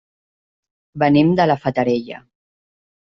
Venim de la Fatarella.